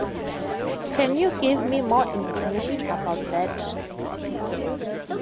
Can you give me more information about that?